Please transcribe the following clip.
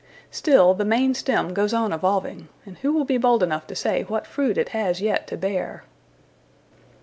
Still, the main stem goes on evolving, and who will be bold enough to say what fruit it has yet to bear!